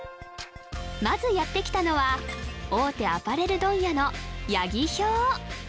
まずやって来たのは大手アパレル問屋の八木兵